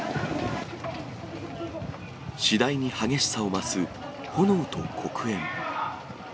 次第に激しさを増す、炎と黒煙。